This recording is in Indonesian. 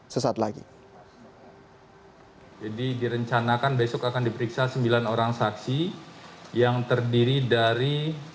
sesaat lagi jadi direncanakan besok akan diperiksa sembilan orang saksi yang terdiri dari